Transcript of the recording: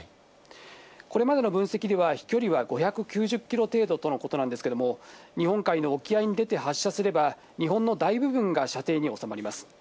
これまでの分析では、飛距離は５９０キロ程度とのことなんですけれども、日本海の沖合に出て発射すれば、日本の大部分が射程に収まります。